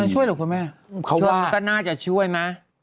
มันช่วยหรือเปล่าคุณแม่เขาว่ามันก็น่าจะช่วยนะ